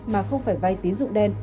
mà không phải vay tín dụng đen